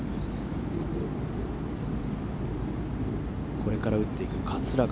これから打っていく桂川